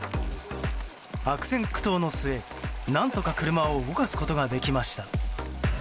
悪戦苦闘の末、何とか車を動かすことができました。